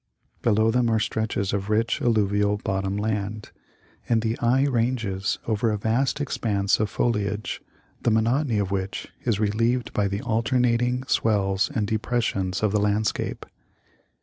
Below them are stretches of rich alluvial bottom land, and the eye ranges over a vast expanse of foliage, the monotony of which is relieved by the alternating swells and depressions of the landscape.